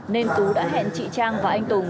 nên tú đã hẹn chị trang và anh tùng